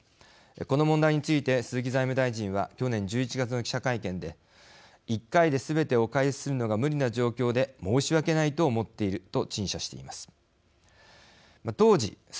この問題について鈴木財務大臣は去年１１月の記者会見で「１回ですべてをお返しするのが無理な状況で申し訳ないと思っている」と陳謝しています。